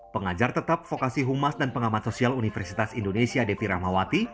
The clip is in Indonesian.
pengajar tetap vokasi humas dan pengamat sosial universitas indonesia devi rahmawati